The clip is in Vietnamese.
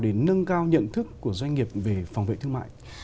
để nâng cao nhận thức của doanh nghiệp về phòng vệ thương mại